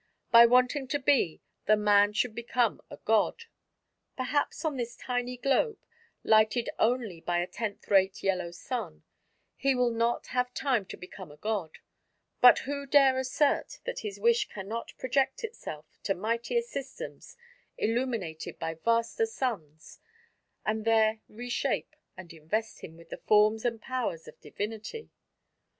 By wanting to be, the man should become a god. Perhaps on this tiny globe, lighted only by a tenth rate yellow sun, he will not have time to become a god; but who dare assert that his wish cannot project itself to mightier systems illuminated by vaster suns, and there reshape and invest him with the forms and powers of divinity?